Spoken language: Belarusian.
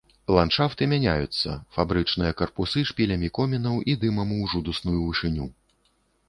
Ландшафты мяняюцца, фабрычныя карпусы шпілямі комінаў і дымам у жудасную вышыню.